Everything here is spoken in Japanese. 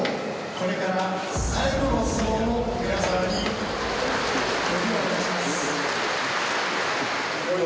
これから最後の相撲を皆様にご披露いたしますよ